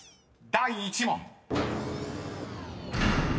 第１問］